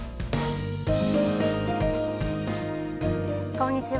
こんにちは。